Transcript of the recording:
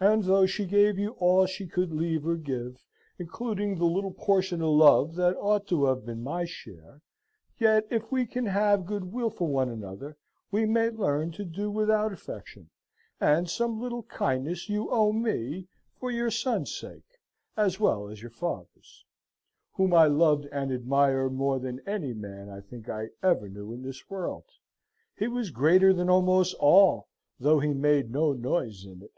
And though she gave you all she could leave or give, including the little portion of love that ought to have been my share, yet, if we can have good will for one another, we may learn to do without affection: and some little kindness you owe me, for your son's sake; as well as your father's, whom I loved and admired more than any man I think ever I knew in this world: he was greater than almost all, though he made no noyse in it.